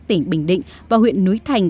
tỉnh bình định và huyện núi thành